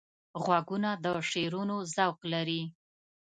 غوږونه د شعرونو ذوق لري